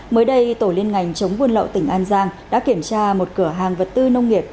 mới đây tổ liên ngành chống buôn lậu tỉnh an giang đã kiểm tra một cửa hàng vật tư nông nghiệp